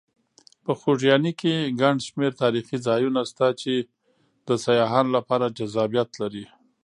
په خوږیاڼي کې ګڼ شمېر تاریخي ځایونه شته چې د سیاحانو لپاره جذابیت لري.